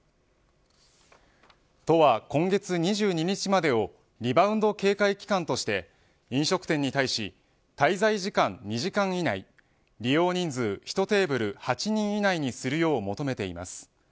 都は、今月２２日までをリバウンド警戒期間として飲食店に対し滞在時間２時間以内利用人数１テーブル８人以内にするよう求めています。